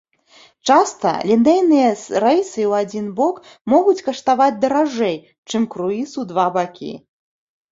Часта лінейныя рэйсы ў адзін бок могуць каштаваць даражэй, чым круіз у два бакі.